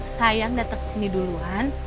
saya yang datang ke sini duluan